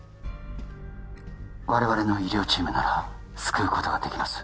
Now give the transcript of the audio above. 我々の医療チームなら救うことができます